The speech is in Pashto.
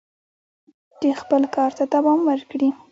چې خپل کار ته دوام ورکړي."